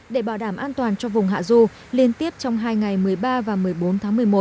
để bảo đảm an toàn cho vùng hạ du liên tiếp trong hai ngày một mươi ba và một mươi bốn tháng một mươi một